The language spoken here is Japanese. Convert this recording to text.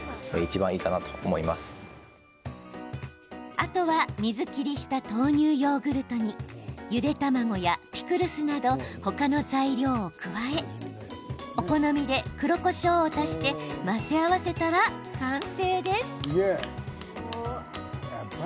あとは、水切りした豆乳ヨーグルトにゆで卵やピクルスなど他の材料を加えお好みで黒こしょうを足して混ぜ合わせたら完成です。